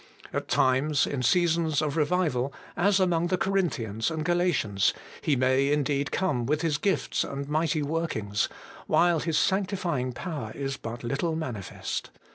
At times, in seasons of revival, as among the Corinthians and Galatians, He may indeed come with His gifts and mighty workings, THE HOLY SPIRIT. 135 while His sanctifying power is but little manifest.